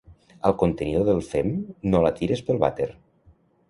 Al contenidor del fem, no la tires pel vàter.